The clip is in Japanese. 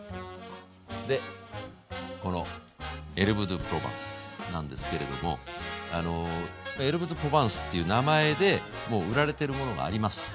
でこのエルブ・ド・プロバンスなんですけれどもエルブ・ド・プロバンスっていう名前でもう売られてるものがあります。